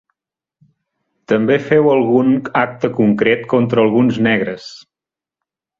També feu algun acte concret contra alguns negres.